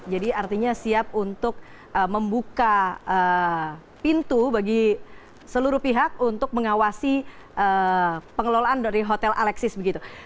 artinya siap untuk membuka pintu bagi seluruh pihak untuk mengawasi pengelolaan dari hotel alexis begitu